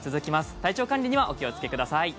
体調管理にはお気を付けください。